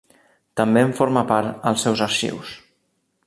També en forma part els seus arxius.